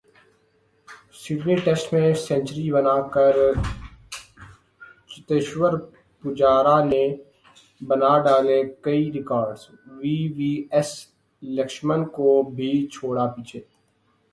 Sydney test میں century بناکر چتیشور پجارا نے بناڈالے کئی records, V V S Laxman کو بھی چھوڑا پیچھے